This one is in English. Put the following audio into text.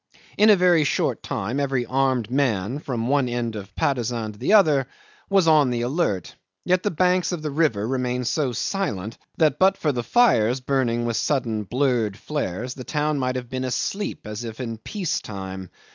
In a very short time every armed man from one end of Patusan to the other was on the alert, yet the banks of the river remained so silent that but for the fires burning with sudden blurred flares the town might have been asleep as if in peace time.